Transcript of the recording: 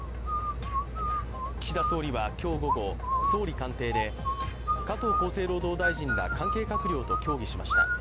岸田総理は今日午後総理官邸で加藤厚生労働大臣ら関係閣僚と協議しました。